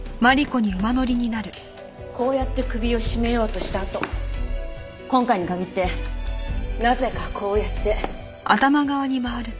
こうやって首を絞めようとしたあと今回に限ってなぜかこうやって。